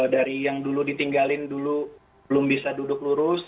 dari yang dulu ditinggalin dulu belum bisa duduk lurus